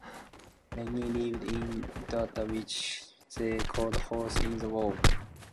Many lived in dugouts, which they called holes in the wall.